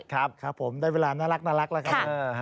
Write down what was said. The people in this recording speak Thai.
ครับครับผมได้เวลาน่ารักแล้วครับ